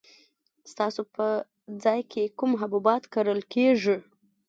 ستاسو په ځای کې کوم حبوبات کرل کیږي؟